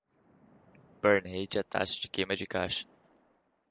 Burn Rate é a taxa de queima de caixa.